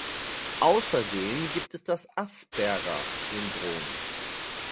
Außerdem gibt es das Asperger-Syndrom.